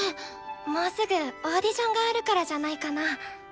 もうすぐオーディションがあるからじゃないかな？